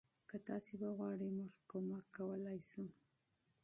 که تاسي وغواړئ، موږ مرسته کولی شو.